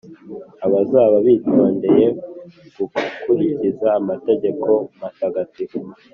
Abazaba bitondeye gukurikiza amategeko matagatifu